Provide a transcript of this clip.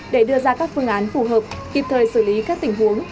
để đưa ra các phương án phù hợp kịp thời xử lý các tình huống